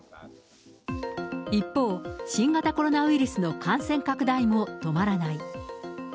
一方、新型コロナウイルスの感染拡大も止まらない。